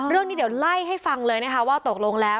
เรื่องนี้เดี๋ยวไล่ให้ฟังเลยนะคะว่าตกลงแล้ว